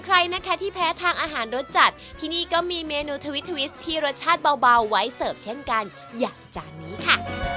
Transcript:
ใครนะคะที่แพ้ทางอาหารรสจัดที่นี่ก็มีเมนูทวิทวิสที่รสชาติเบาไว้เสิร์ฟเช่นกันอย่างจานนี้ค่ะ